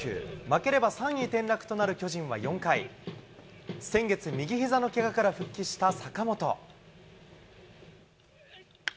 負ければ３位転落となる巨人は４回、先月、右ひざのけがから復帰した坂本。